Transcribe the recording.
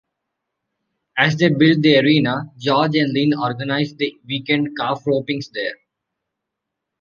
As they built the arena, George and Lynn organized the weekend calf-ropings there.